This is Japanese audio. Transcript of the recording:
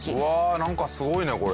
なんかすごいねこれ。